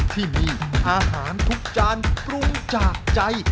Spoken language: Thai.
ที่นี่อาหารทุกจานปรุงจากใจ